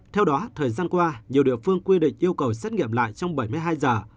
theo đó thời gian qua nhiều địa phương quy định yêu cầu xét nghiệm lại trong bảy mươi hai giờ